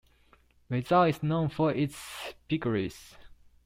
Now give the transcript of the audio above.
Rizal is known for its piggeries.